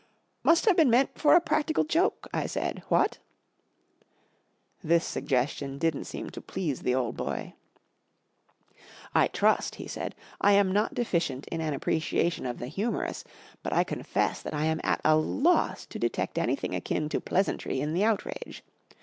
'* Must have been meant for a practical joke," I said. 44 What ?" This suggestion didn't seem to please the old boy. 44 I trust." he said, ,4 I am not deficient in an appreciation of the humorous, but I confess that I am at a loss to detect anything akin to pleasantry in the outrage.